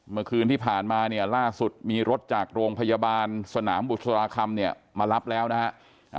เมื่อคืนที่ผ่านมาเนี่ยล่าสุดมีรถจากโรงพยาบาลสนามบุษราคำเนี่ยมารับแล้วนะฮะ